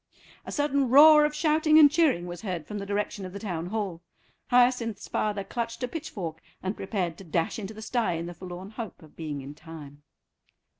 A sudden roar of shouting and cheering was heard from the direction of the Town Hall. Hyacinth's father clutched a pitchfork and prepared to dash into the stye in the forlorn hope of being in time.